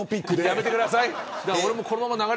やめてください。